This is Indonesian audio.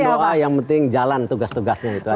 ya doa yang penting jalan tugas tugasnya itu aja